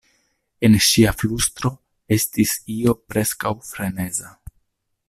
En ŝia flustro estis io preskaŭ freneza.